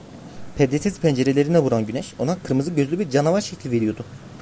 Perdesiz pencerelerine vuran güneş, ona kırmızı gözlü bir canavar şekli veriyordu.